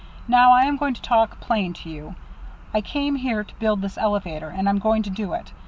Now, I am going to talk plain to you. I came here to build this elevator, and I'm going to do it.